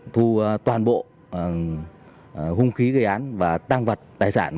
thu toàn bộ hung khí gây án và tăng vật tài sản